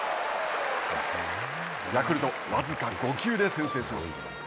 ヤクルト僅か５球で先制します。